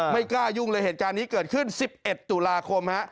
ไม่กล้ายุ่งเลยเหตุการณ์นี้เกิดขึ้น๑๑ตุลาคมฮะ